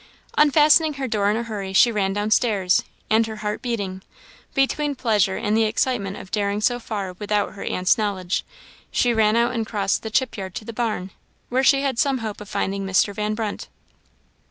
Unfastening her door in a hurry, she ran down stairs; and her heart beating, between pleasure and the excitement of daring so far without her aunt's knowledge, she ran out and crossed the chip yard to the barn, where she had some hope of finding Mr. Van Brunt.